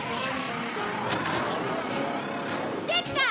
できた！